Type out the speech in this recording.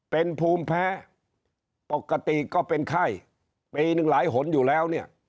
เป็นภูมิแพ้ปกติก็เป็นไข้ปีหนึ่งหลายหนอยู่แล้วเนี่ย